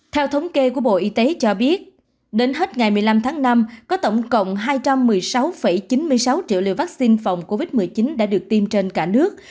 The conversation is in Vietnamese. theo thống kê của bộ y tế cho biết đến hết ngày một mươi năm tháng năm có tổng cộng hai trăm một mươi sáu chín mươi sáu triệu liều vaccine phòng covid một mươi chín đã được tiêm trên cả nước